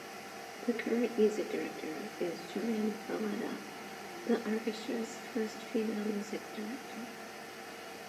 The current music director is JoAnn Falletta, the orchestra's first female music director.